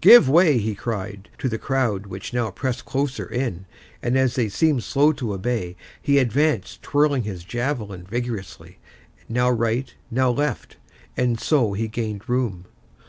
"Give way," he cried, to the crowd which now pressed closer in; and as they seemed slow to obey, he advanced twirling his javelin vigorously, now right, now left; and so he gained room.